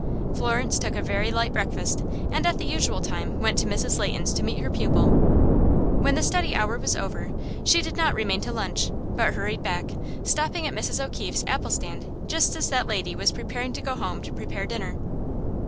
Florence took a very light breakfast, and at the usual time went to Mrs. Leighton's to meet her pupil. When the study hour was over, she did not remain to lunch, but hurried back, stopping at Mrs. O'Keefe's apple stand just as that lady was preparing to go home to prepare dinner.